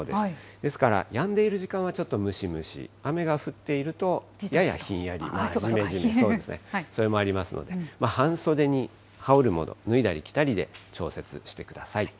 ですから、やんでいる時間はちょっとムシムシ、雨が降っていると、ややひんやり、じめじめ、それもありますので、半袖に羽織るもの、脱いだり着たりで、調節してください。